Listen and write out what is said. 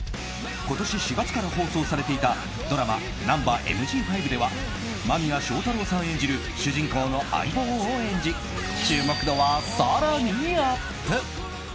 今年４月から放送されていたドラマ「ナンバＭＧ５」では間宮祥太朗さん演じる主人公の相棒を演じ注目度は更にアップ。